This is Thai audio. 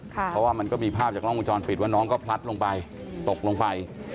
เพราะว่ามันก็มีภาพจากล้องวงจรปิดว่าน้องก็พลัดลงไปตกลงไป